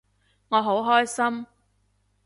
我好開心